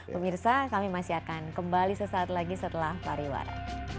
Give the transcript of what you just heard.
pemirsa kami masih akan kembali sesaat lagi setelah pariwara